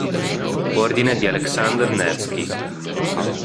Ordine di Aleksandr Nevskij